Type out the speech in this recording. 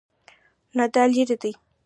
نه، دا لیرې دی